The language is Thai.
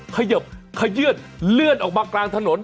ขยื่นเลื่อนออกมากลางถนน